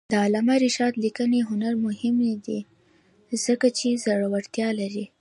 د علامه رشاد لیکنی هنر مهم دی ځکه چې زړورتیا لري.